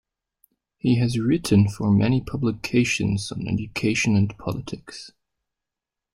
He has written for many publications on education and politics.